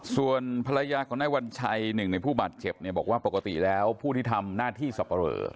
ส่วนภรรยาของนายวัญชัยหนึ่งในผู้บาดเจ็บเนี่ยบอกว่าปกติแล้วผู้ที่ทำหน้าที่สับปะเหลอ